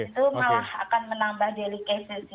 itu malah akan menambah delicase